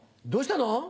どうしたの？